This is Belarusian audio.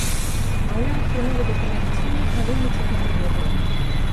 Маўляў, пра новы дакумент чулі, але нічога не ведаем.